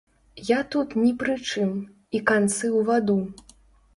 Я тут ні пры чым, і канцы ў ваду.